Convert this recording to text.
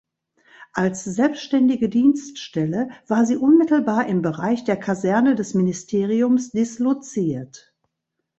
Als selbstständige Dienststelle war sie unmittelbar im Bereich der Kaserne des Ministeriums disloziert.